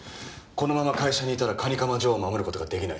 このまま会社にいたら蟹釜ジョーを守る事ができない。